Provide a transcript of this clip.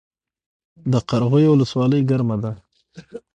د قرغیو ولسوالۍ ګرمه ده